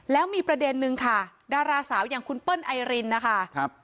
แล้วมีประเด็นนึงค่ะดาราสาวอย่างคุณเปิ้ลไอรินนะคะ